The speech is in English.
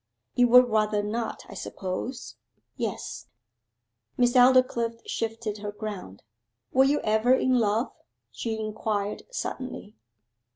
'You would rather not, I suppose?' 'Yes.' Miss Aldclyffe shifted her ground. 'Were you ever in love?' she inquired suddenly.